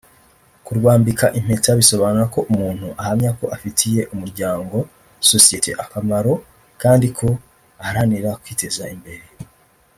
Kurwambika impeta bisobanura ko umuntu ahamya ko afitiye umuryango (sosiyete) akamaro kandi ko aharanira kwiteza imbere